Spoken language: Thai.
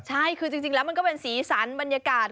ใช่คือจริงแล้วมันก็เป็นสีสันบรรยากาศ